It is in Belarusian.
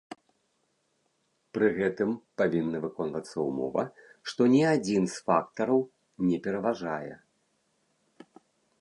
Пры гэтым павінна выконвацца ўмова, што ні адзін з фактараў не пераважвае.